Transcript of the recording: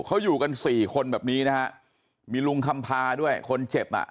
เขาอยู่กันสี่คนแบบนี้นะฮะมีลุงคำพาด้วยคนเจ็บอ่ะ